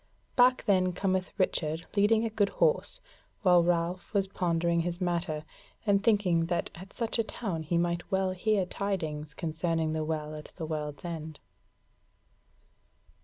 Back then cometh Richard leading a good horse while Ralph was pondering his matter, and thinking that at such a town he might well hear tidings concerning the Well at the World's End.